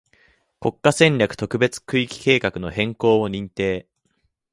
国家戦略特別区域計画の変更を認定